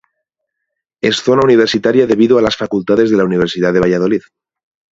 Es zona universitaria debido a las facultades de la Universidad de Valladolid.